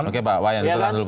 oke pak wayan